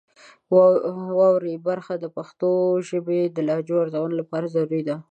د واورئ برخه د پښتو ژبې د لهجو د ارزونې لپاره ضروري ده.